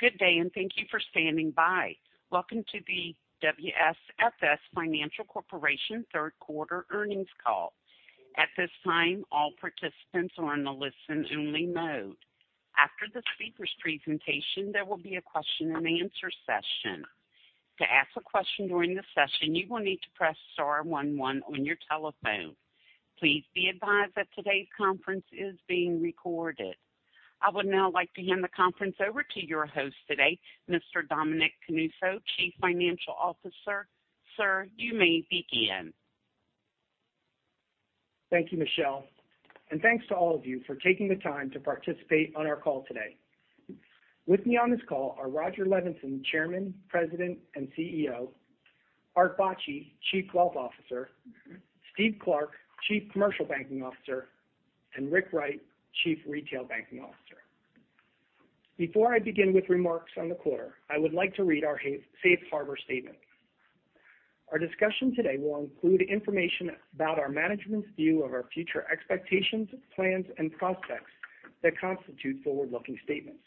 Good day, and thank you for standing by. Welcome to the WSFS Financial Corporation third quarter earnings call. At this time, all participants are in a listen only mode. After the speaker's presentation, there will be a question and answer session. To ask a question during the session, you will need to press star one one on your telephone. Please be advised that today's conference is being recorded. I would now like to hand the conference over to your host today, Mr. Dominic Canuso, Chief Financial Officer. Sir, you may begin. Thank you, Michelle, and thanks to all of you for taking the time to participate on our call today. With me on this call are Rodger Levenson, Chairman, President, and CEO, Arthur Bacci, Chief Wealth Officer, Steve Clark, Chief Commercial Banking Officer, and Rick Wright, Chief Retail Banking Officer. Before I begin with remarks on the quarter, I would like to read our safe harbor statement. Our discussion today will include information about our management's view of our future expectations, plans and prospects that constitute forward-looking statements.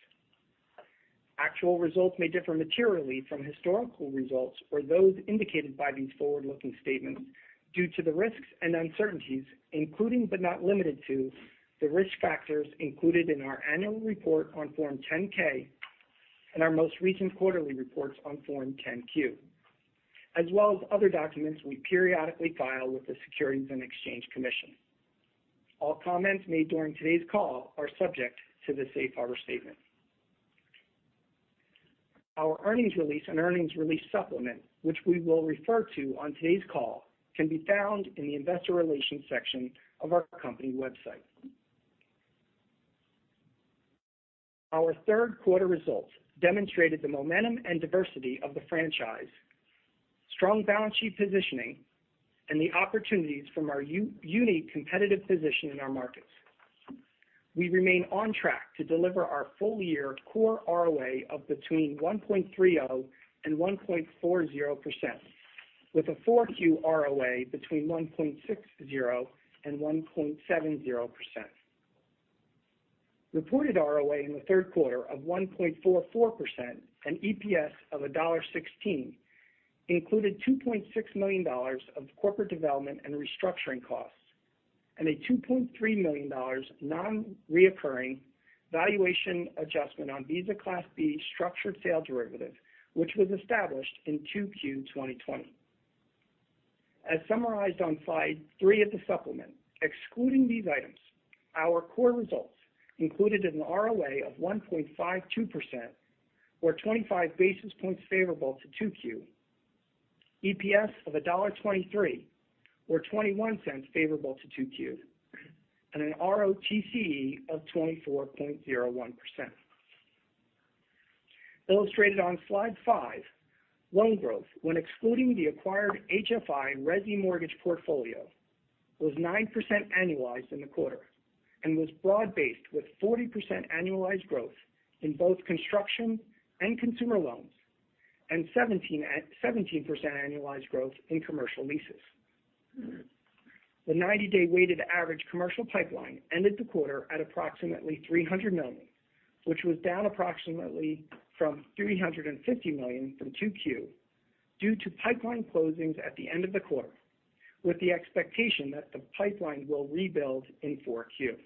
Actual results may differ materially from historical results or those indicated by these forward-looking statements due to the risks and uncertainties, including, but not limited to, the risk factors included in our annual report on Form 10-K and our most recent quarterly reports on Form 10-Q, as well as other documents we periodically file with the Securities and Exchange Commission. All comments made during today's call are subject to the safe harbor statement. Our earnings release and earnings release supplement, which we will refer to on today's call, can be found in the investor relations section of our company website. Our third quarter results demonstrated the momentum and diversity of the franchise, strong balance sheet positioning and the opportunities from our unique competitive position in our markets. We remain on track to deliver our full year core ROA of between 1.30% and 1.40% with a 4Q ROA between 1.60% and 1.70%. Reported ROA in the third quarter of 1.44% and EPS of $1.16 included $2.6 million of corporate development and restructuring costs and a $23 million non-recurring valuation adjustment on Visa Class B structured sale derivative which was established in 2Q 2020. As summarized on slide three of the supplement, excluding these items, our core results included an ROA of 1.52% or 25 basis points favorable to 2Q, EPS of $1.23 or 21 cents favorable to 2Q, and an ROTCE of 24.01%. Illustrated on slide 5, loan growth when excluding the acquired HFI resi mortgage portfolio was 9% annualized in the quarter and was broad based with 40% annualized growth in both construction and consumer loans and 17% annualized growth in commercial leases. The 90-day weighted average commercial pipeline ended the quarter at approximately $300 million, which was down approximately from $350 million from 2Q due to pipeline closings at the end of the quarter with the expectation that the pipeline will rebuild in 4Q.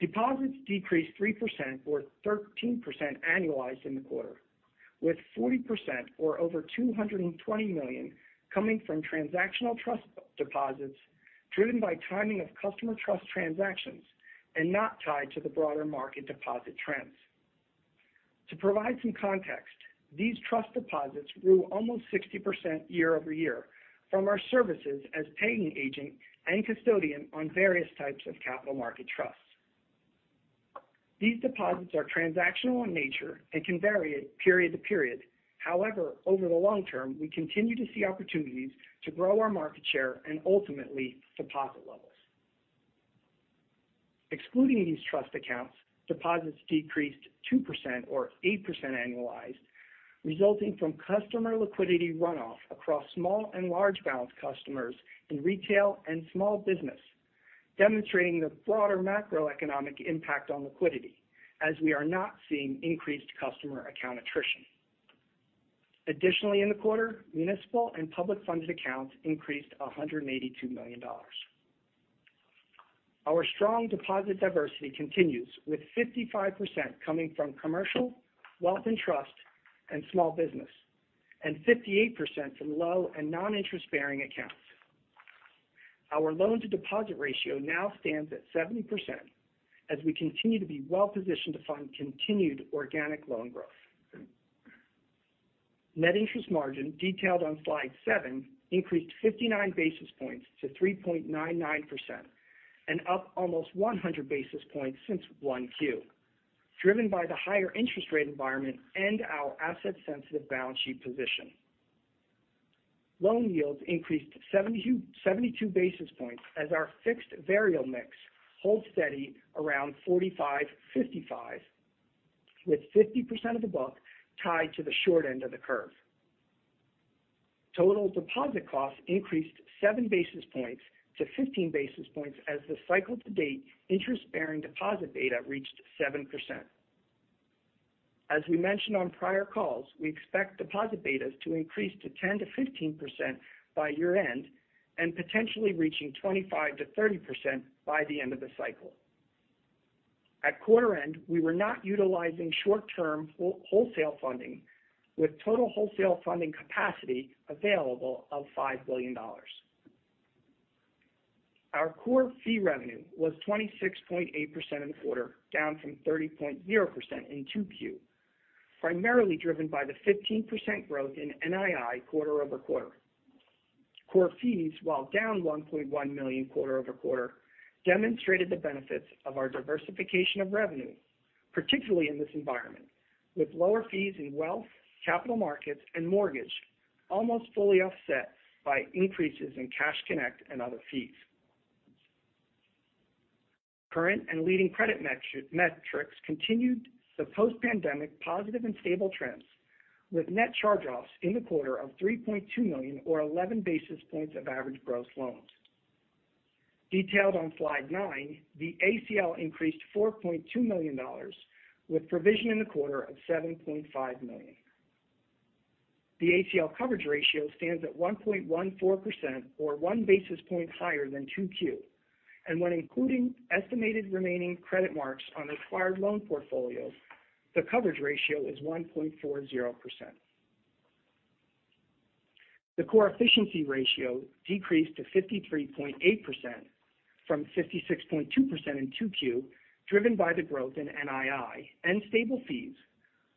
Deposits decreased 3% or 13% annualized in the quarter, with 40% or over $220 million coming from transactional trust deposits driven by timing of customer trust transactions and not tied to the broader market deposit trends. To provide some context, these trust deposits grew almost 60% year-over-year from our services as paying agent and custodian on various types of capital market trusts. These deposits are transactional in nature and can vary period to period. However, over the long term we continue to see opportunities to grow our market share and ultimately deposit levels. Excluding these trust accounts, deposits decreased 2% or 8% annualized, resulting from customer liquidity runoff across small and large balance customers in retail and small business, demonstrating the broader macroeconomic impact on liquidity as we are not seeing increased customer account attrition. Additionally, in the quarter, municipal and public funded accounts increased $182 million. Our strong deposit diversity continues with 55% coming from commercial, wealth and trust and small business and 58% from low and non-interest bearing accounts. Our loan to deposit ratio now stands at 70% as we continue to be well positioned to fund continued organic loan growth. Net interest margin detailed on slide 7 increased 59 basis points to 3.99% and up almost 100 basis points since 1Q, driven by the higher interest rate environment and our asset sensitive balance sheet position. Loan yields increased 72 basis points as our fixed variable mix holds steady around 45-55, with 50% of the book tied to the short end of the curve. Total deposit costs increased 7 basis points to 15 basis points as the cycle to date interest-bearing deposit beta reached 7%. As we mentioned on prior calls, we expect deposit betas to increase to 10%-15% by year-end and potentially reaching 25%-30% by the end of the cycle. At quarter end, we were not utilizing short-term wholesale funding with total wholesale funding capacity available of $5 billion. Our core fee revenue was 26.8% in the quarter, down from 30.0% in 2Q, primarily driven by the 15% growth in NII quarter-over-quarter. Core fees, while down $1.1 million quarter-over-quarter, demonstrated the benefits of our diversification of revenue, particularly in this environment, with lower fees in wealth, capital markets and mortgage almost fully offset by increases in Cash Connect and other fees. Current and leading credit metrics continued the post-pandemic positive and stable trends, with net charge-offs in the quarter of $3.2 million or 11 basis points of average gross loans. Detailed on slide 9, the ACL increased $4.2 million, with provision in the quarter of $7.5 million. The ACL coverage ratio stands at 1.14% or 1 basis point higher than 2Q. When including estimated remaining credit marks on acquired loan portfolios, the coverage ratio is 1.40%. The core efficiency ratio decreased to 53.8% from 56.2% in 2Q, driven by the growth in NII and stable fees,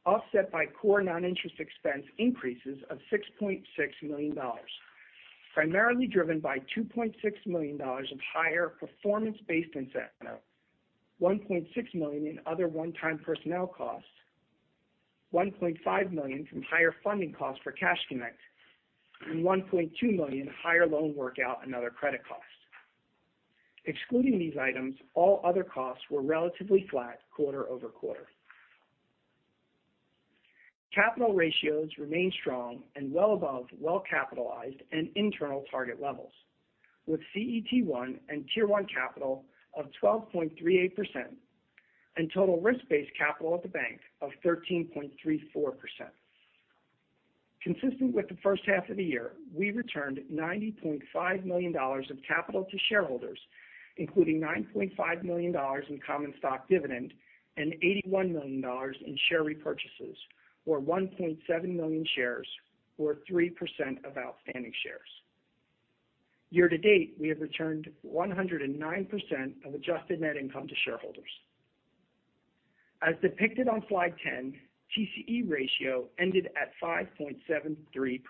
offset by core non-interest expense increases of $6.6 million, primarily driven by $2.6 million of higher performance-based incentive, $1.6 million in other one-time personnel costs, $1.5 million from higher funding costs for Cash Connect, and $1.2 million higher loan workout and other credit costs. Excluding these items, all other costs were relatively flat quarter-over-quarter. Capital ratios remain strong and well above well capitalized and internal target levels, with CET1 and Tier 1 capital of 12.38% and total risk-based capital at the bank of 13.34%. Consistent with the first half of the year, we returned $90.5 million of capital to shareholders, including $9.5 million in common stock dividend and $81 million in share repurchases, or 1.7 million shares, or 3% of outstanding shares. Year to date, we have returned 109% of adjusted net income to shareholders. As depicted on slide 10, TCE ratio ended at 5.73%.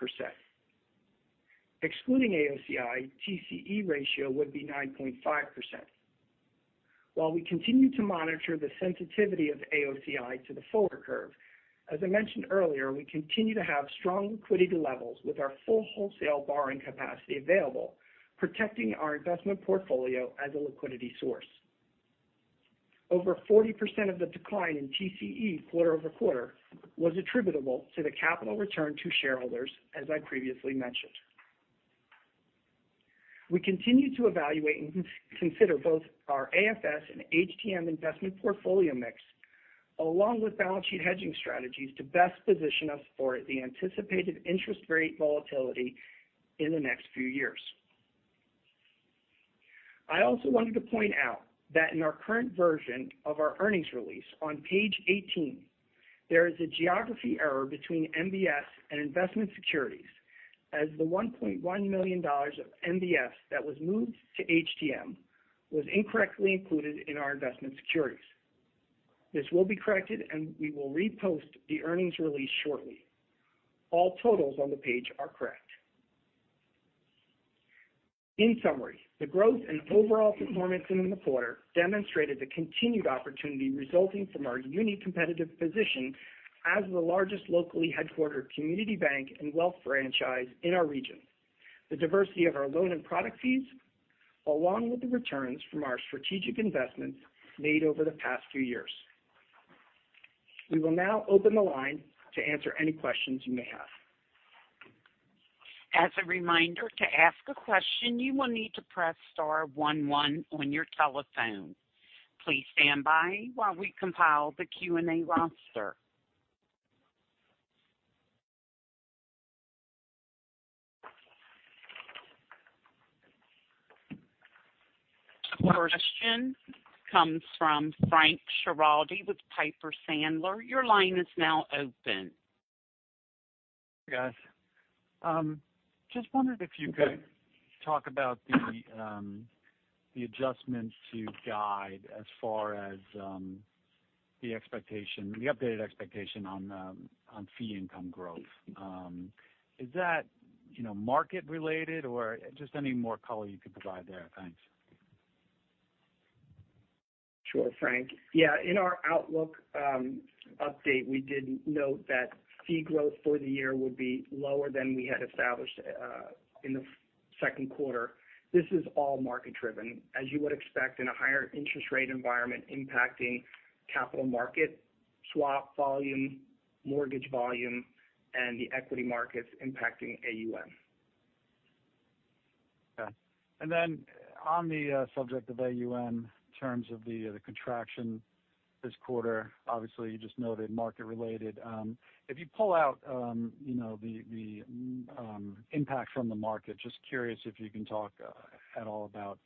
Excluding AOCI, TCE ratio would be 9.5%. While we continue to monitor the sensitivity of AOCI to the forward curve, as I mentioned earlier, we continue to have strong liquidity levels with our full wholesale borrowing capacity available, protecting our investment portfolio as a liquidity source. Over 40% of the decline in TCE quarter-over-quarter was attributable to the capital return to shareholders, as I previously mentioned. We continue to evaluate and consider both our AFS and HTM investment portfolio mix, along with balance sheet hedging strategies to best position us for the anticipated interest rate volatility in the next few years. I also wanted to point out that in our current version of our earnings release on page 18, there is a categorization error between MBS and investment securities as the $1.1 million of MBS that was moved to HTM was incorrectly included in our investment securities. This will be corrected and we will repost the earnings release shortly. All totals on the page are correct. In summary, the growth and overall performance in the quarter demonstrated the continued opportunity resulting from our unique competitive position as the largest locally headquartered community bank and wealth franchise in our region. The diversity of our loan and product fees, along with the returns from our strategic investments made over the past few years. We will now open the line to answer any questions you may have. As a reminder, to ask a question, you will need to press star one one on your telephone. Please stand by while we compile the Q&A roster. First question comes from Frank Schiraldi with Piper Sandler. Your line is now open. Guys, just wondered if you could talk about the adjustments to guide as far as the updated expectation on fee income growth. Is that, you know, market related or just any more color you could provide there? Thanks. Sure, Frank. Yeah, in our outlook update, we did note that fee growth for the year would be lower than we had established in the second quarter. This is all market driven, as you would expect in a higher interest rate environment impacting capital market. Swap volume, mortgage volume, and the equity markets impacting AUM. Okay. On the subject of AUM in terms of the contraction this quarter, obviously you just noted market-related. If you pull out, you know, the impact from the market, just curious if you can talk at all about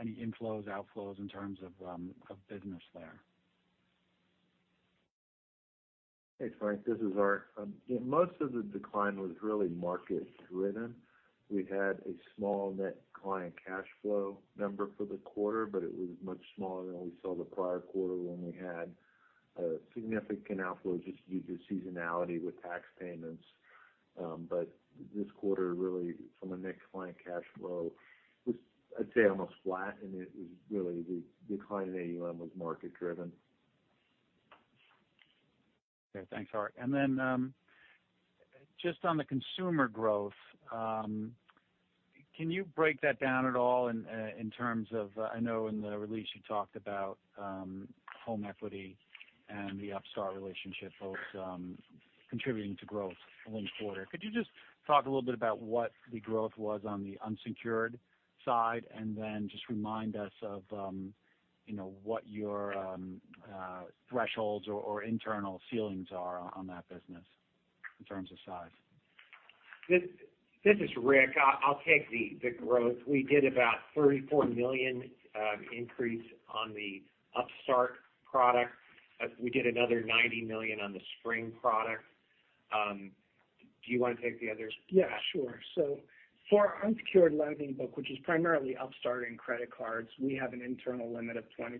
any inflows, outflows in terms of business there. Hey Frank, this is Arthur. Most of the decline was really market driven. We had a small net client cash flow number for the quarter, but it was much smaller than what we saw the prior quarter when we had a significant outflow just due to seasonality with tax payments. This quarter really from a net client cash flow was, I'd say, almost flat, and it was really the decline in AUM was market driven. Okay. Thanks, Arthur. Then, just on the consumer growth, can you break that down at all in terms of—I know in the release you talked about, home equity and the Upstart relationship both, contributing to growth in the quarter. Could you just talk a little bit about what the growth was on the unsecured side? Then just remind us of, you know, what your thresholds or internal ceilings are on that business in terms of size. This is Rick. I'll take the growth. We did about $34 million increase on the Upstart product. We did another $90 million on the Spring product. Do you wanna take the others? Yeah, sure. For our unsecured lending book, which is primarily Upstart and credit cards, we have an internal limit of 20%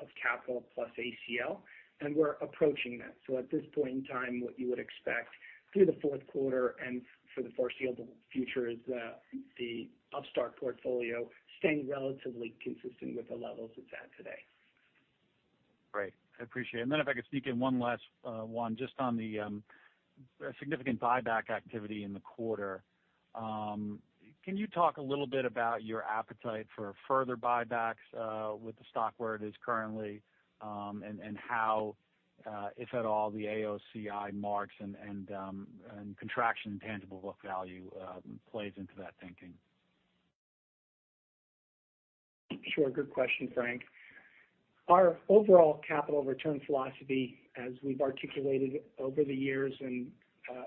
of capital plus ACL, and we're approaching that. At this point in time, what you would expect through the fourth quarter and for the foreseeable future is the Upstart portfolio staying relatively consistent with the levels it's at today. Great. I appreciate it. Then if I could sneak in one last one just on the significant buyback activity in the quarter. Can you talk a little bit about your appetite for further buybacks with the stock where it is currently and how, if at all, the AOCI marks and contraction in tangible book value plays into that thinking? Sure. Good question, Frank. Our overall capital return philosophy, as we've articulated over the years and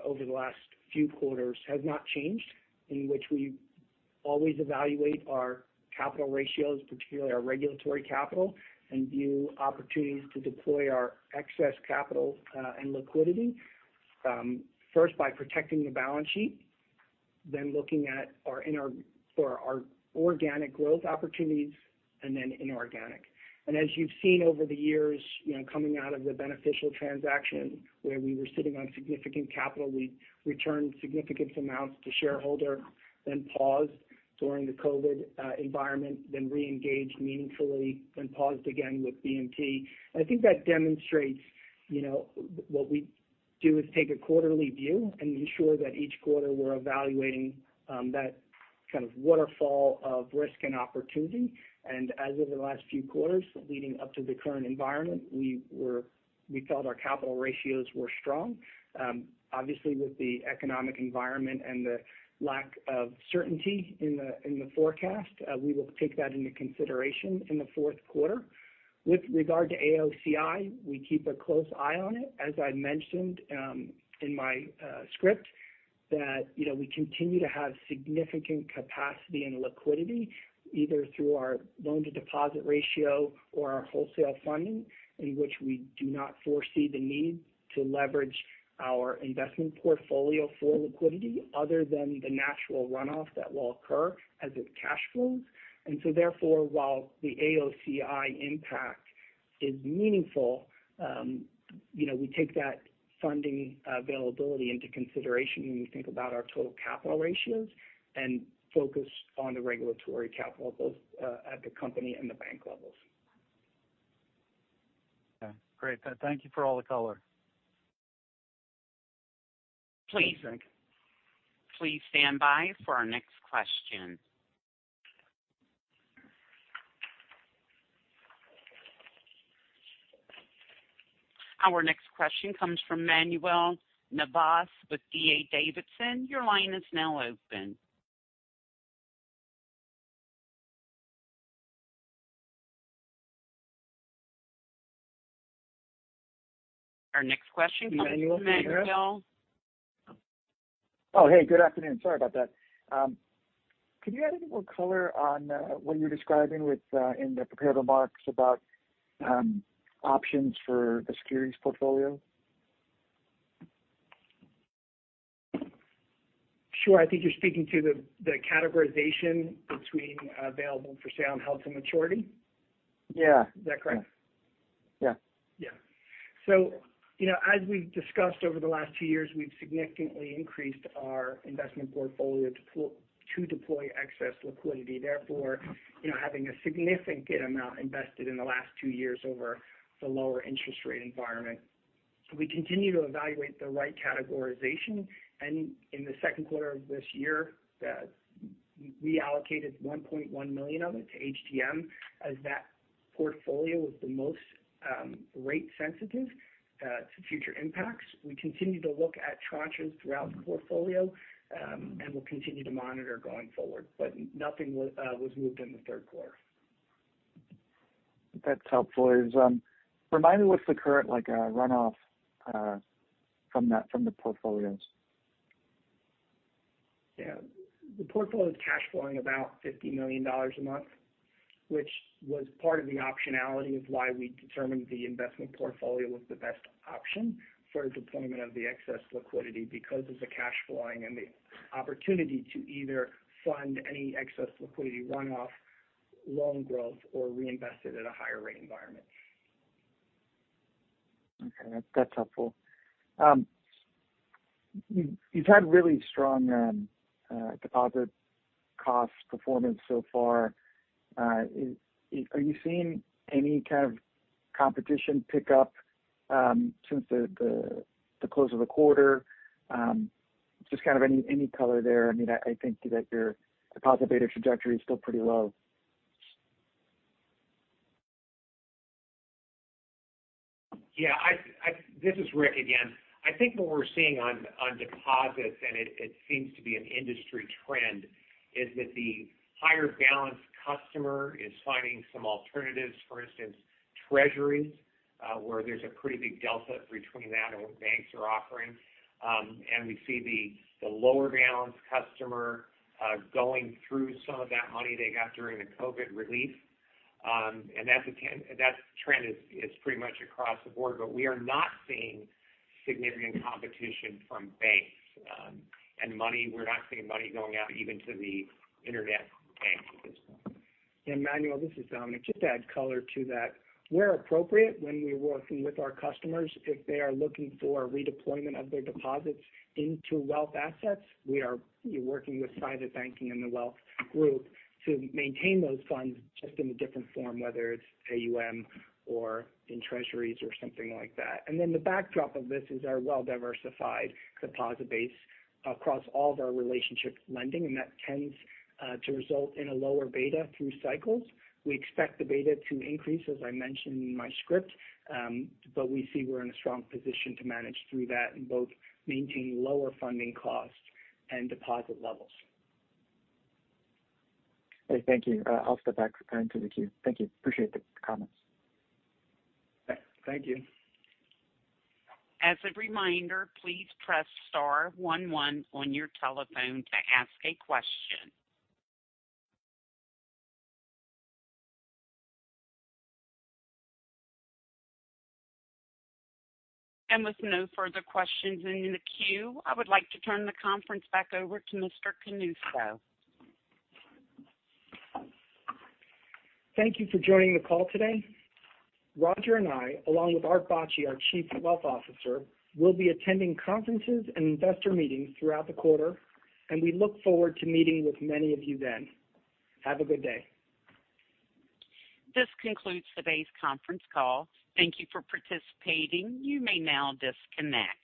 over the last few quarters, has not changed. In which we always evaluate our capital ratios, particularly our regulatory capital, and view opportunities to deploy our excess capital and liquidity, first by protecting the balance sheet, then looking for our organic growth opportunities and then inorganic. As you've seen over the years, you know, coming out of the Beneficial transaction where we were sitting on significant capital, we returned significant amounts to shareholder, then paused during the COVID environment, then reengaged meaningfully, then paused again with BMT. I think that demonstrates, you know, what we do is take a quarterly view and ensure that each quarter we're evaluating that kind of waterfall of risk and opportunity. As of the last few quarters leading up to the current environment, we felt our capital ratios were strong. Obviously with the economic environment and the lack of certainty in the forecast, we will take that into consideration in the fourth quarter. With regard to AOCI, we keep a close eye on it. As I mentioned in my script that, you know, we continue to have significant capacity and liquidity, either through our loan to deposit ratio or our wholesale funding, in which we do not foresee the need to leverage our investment portfolio for liquidity other than the natural runoff that will occur as it cash flows. Therefore, while the AOCI impact is meaningful, you know, we take that funding availability into consideration when we think about our total capital ratios and focus on the regulatory capital both, at the company and the bank levels. Okay. Great. Thank you for all the color. Please. Thanks. Please stand by for our next question. Our next question comes from Manuel Navas with D.A. Davidson. Your line is now open. Manuel, you there? Oh. Oh, hey, good afternoon. Sorry about that. Could you add any more color on what you're describing with in the prepared remarks about options for the securities portfolio? Sure. I think you're speaking to the categorization between available for sale and held to maturity. Yeah. Is that correct? Yeah. Yeah, you know, as we've discussed over the last two years, we've significantly increased our investment portfolio to deploy excess liquidity, therefore, you know, having a significant amount invested in the last two years over the lower interest rate environment. We continue to evaluate the right categorization. In the second quarter of this year, we allocated $1.1 million of it to HTM as that portfolio was the most rate sensitive to future impacts. We continue to look at tranches throughout the portfolio, and we'll continue to monitor going forward, but nothing was moved in the third quarter. That's helpful. Remind me what's the current like runoff from that, from the portfolios? Yeah. The portfolio is cash flowing about $50 million a month, which was part of the optionality of why we determined the investment portfolio was the best option for deployment of the excess liquidity because of the cash flowing and the opportunity to either fund any excess liquidity runoff loan growth or reinvest it at a higher rate environment. Okay. That's helpful. You've had really strong deposit cost performance so far. Are you seeing any kind of competition pick up since the close of the quarter? Just kind of any color there. I mean, I think that your deposit beta trajectory is still pretty low. Yeah. This is Rick again. I think what we're seeing on deposits, and it seems to be an industry trend, is that the higher balance customer is finding some alternatives. For instance, treasuries, where there's a pretty big delta between that and what banks are offering. We see the lower balance customer going through some of that money they got during the COVID relief. That's that trend is pretty much across the board. We are not seeing significant competition from banks. We're not seeing money going out even to the internet banks at this point. Yeah, Manuel, this is Dominic. Just to add color to that. Where appropriate when we're working with our customers, if they are looking for redeployment of their deposits into wealth assets, we are working with private banking and the wealth group to maintain those funds just in a different form, whether it's AUM or in treasuries or something like that. The backdrop of this is our well-diversified deposit base across all of our relationship lending, and that tends to result in a lower beta through cycles. We expect the beta to increase, as I mentioned in my script, but we see we're in a strong position to manage through that and both maintain lower funding costs and deposit levels. Okay. Thank you. I'll step back to the queue. Thank you. Appreciate the comments. Thank you. As a reminder, please press star one one on your telephone to ask a question. With no further questions in the queue, I would like to turn the conference back over to Mr. Canuso. Thank you for joining the call today. Rodger and I, along with Arthur Bacci, our Chief Wealth Officer, will be attending conferences and investor meetings throughout the quarter, and we look forward to meeting with many of you then. Have a good day. This concludes today's conference call. Thank you for participating. You may now disconnect.